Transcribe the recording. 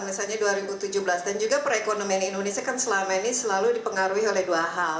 misalnya dua ribu tujuh belas dan juga perekonomian indonesia kan selama ini selalu dipengaruhi oleh dua hal